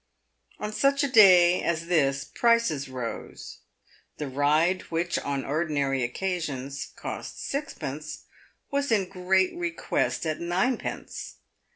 On such a day as this, prices rose. The ride which, on ordinary occasions, cost sixpence, was in great request at ninepence.